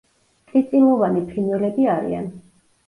წიწილოვანი ფრინველები არიან.